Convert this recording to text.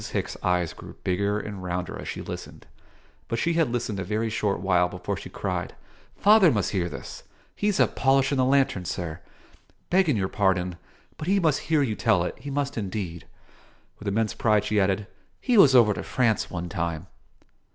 Hicks' eyes grew bigger and rounder as she listened; but she had listened a very short while before she cried "Father must hear this! He's up polishin' the lantern, sir. Begging your pardon, but he must hear you tell it; he must indeed." With immense pride she added, "He was over to France, one time."